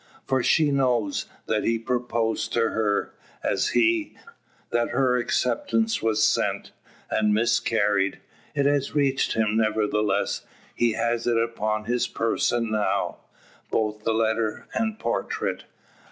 For she knows, that he proposed to her; as he, that her acceptance was sent, and miscarried. It has reached him nevertheless; he has it upon his person now both the letter and portrait.